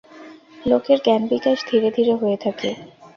লোকের জ্ঞানবিকাশ ধীরে ধীরে হয়ে থাকে।